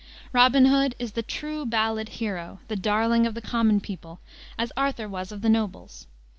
Robin Hood is the true ballad hero, the darling of the common people, as Arthur was of the nobles.